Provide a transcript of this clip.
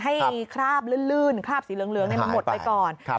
คราบลื่นคราบสีเหลืองมันหมดไปก่อน